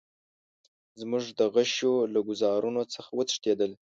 زموږ د غشیو له ګوزارونو څخه وتښتېدل.